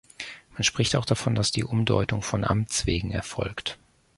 Man spricht auch davon, dass die Umdeutung „von Amts wegen“ erfolgt.